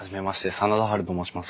真田ハルと申します。